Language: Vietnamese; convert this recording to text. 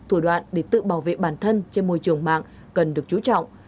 thủ đoạn để tự bảo vệ bản thân trên môi trường mạng cần được chú trọng